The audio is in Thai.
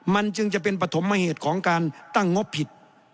มันจึงจะเป็นปฐมเหตุของการตั้งงบผิด